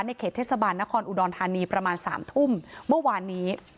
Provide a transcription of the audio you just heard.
เขตเทศบาลนครอุดรธานีประมาณ๓ทุ่มเมื่อวานนี้